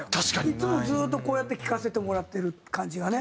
いつもずっとこうやって聴かせてもらってる感じがね